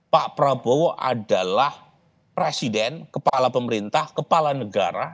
pak prabowo adalah presiden kepala pemerintah kepala negara